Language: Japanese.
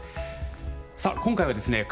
さあ今回はですね